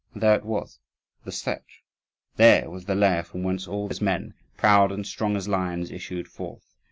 And there it was, the Setch! There was the lair from whence all those men, proud and strong as lions, issued forth!